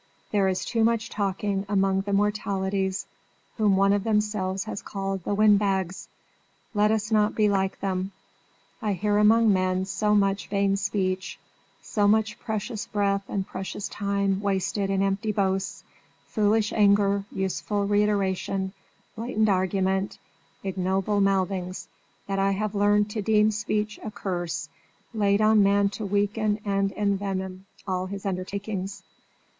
There is too much talking among the Mortalities whom one of themselves has called the Windbags. Let not us be like them. I hear among men so much vain speech, so much precious breath and precious time wasted in empty boasts, foolish anger, useless reiteration, blatant argument, ignoble mouthings, that I have learned to deem speech a curse, laid on man to weaken and envenom all his undertakings.